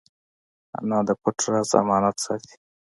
انا د پټ راز امانت ساتي